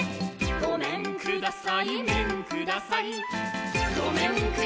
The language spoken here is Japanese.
「ごめんください、めんください！」